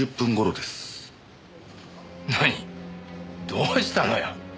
どうしたのよ？